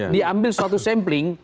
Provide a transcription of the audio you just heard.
diambil suatu sampling